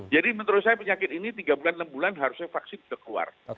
jadi menurut saya penyakit ini tiga bulan enam bulan harusnya vaksin sudah keluar